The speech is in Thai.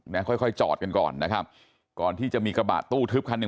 ค่อยค่อยจอดกันก่อนนะครับก่อนที่จะมีกระบะตู้ทึบคันหนึ่ง